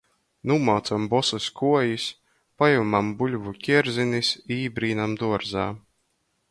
Nūmaucam bosys kuojis, pajamam buļvu kerzinis i ībrīnam duorzā.